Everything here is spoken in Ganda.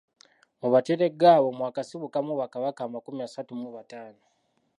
Mu Bateregga abo mwakasibukamu Bakabaka amakumi asatu mu bataano.